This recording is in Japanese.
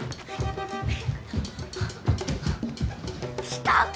来たか！